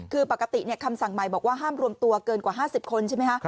คือปกติคำสั่งใหม่บอกว่าห้ามรวมตัวเกินกว่า๕๐คนใช่ไหมคะ